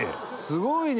すごいね！